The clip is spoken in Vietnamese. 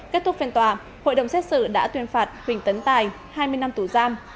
kết thúc phiên tòa hội đồng xét xử đã tuyên phạt huỳnh tấn tài hai mươi năm tù giam